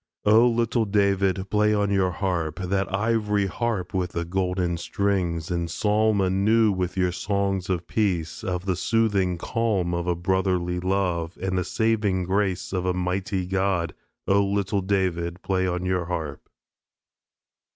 O Little David, play on your harp, That ivory harp with the golden strings; And psalm anew your songs of Peace, Of the soothing calm of a Brotherly Love, And the saving grace of a Mighty God. O Little David, play on your harp.